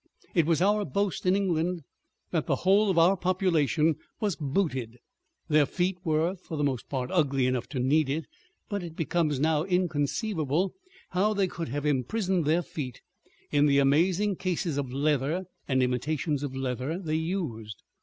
It was our boast in England that the whole of our population was booted—their feet were for the most part ugly enough to need it,—but it becomes now inconceivable how they could have imprisoned their feet in the amazing cases of leather and imitations of leather they used.